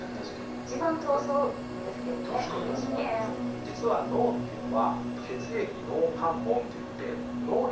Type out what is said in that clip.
実は脳っていうのは。